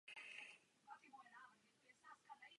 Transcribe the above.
Louis Wagner byl po polovině závodu třetí.